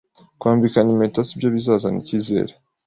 Kwambikana impeta sibyo bizazana icyizere